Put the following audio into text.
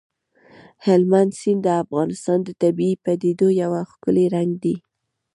هلمند سیند د افغانستان د طبیعي پدیدو یو ښکلی رنګ دی.